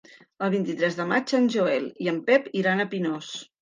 El vint-i-tres de maig en Joel i en Pep iran a Pinós.